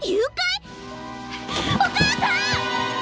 お母さん！